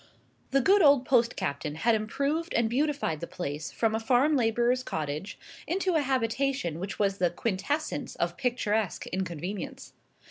The good old post captain had improved and beautified the place from a farm labourer's cottage into a habitation which was the quintessence of picturesque inconvenience.